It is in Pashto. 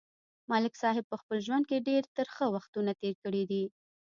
ملک صاحب په خپل ژوند کې ډېر ترخه وختونه تېر کړي دي.